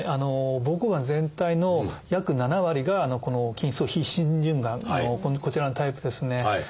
膀胱がん全体の約７割がこの筋層非浸潤がんのこちらのタイプですね。